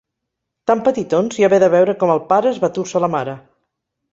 Tan petitons i haver de veure com el pare esbatussa la mare!